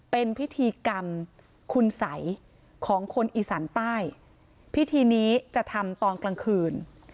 เป็นพิธีกรรมคุณสัยของคนอีสานใต้พิธีนี้จะทำตอนกลางคืน